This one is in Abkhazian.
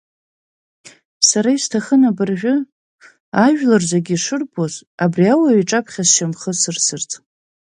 Сара исҭахын абыржәы, ажәлар зегьы ишырбоз, абри ауаҩ иҿаԥхьа сшьамхы асырсырц.